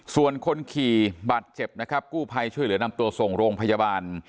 ส่วนคนขี่บาดเจ็บนะครับกู้ภัยช่วยเหลือนำตัวส่งโรงพยาบาล